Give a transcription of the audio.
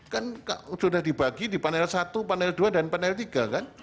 kan sudah dibagi di panel satu panel dua dan panel tiga kan